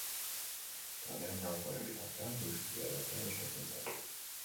Lanean nagoen bitartean whiskya edatea gustatzen zait.